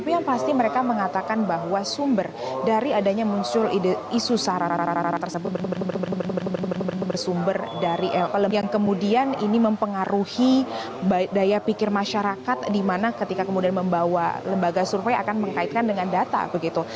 tapi yang pasti mereka mengatakan bahwa sumber dari adanya muncul isu sahara tersebut bersumber dari yang kemudian ini mempengaruhi daya pikir masyarakat dimana ketika kemudian membawa lembaga survei akan mengkaitkan dengan data begitu